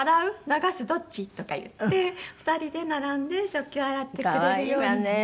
流す？どっち？」とか言って２人で並んで食器を洗ってくれるようになりました。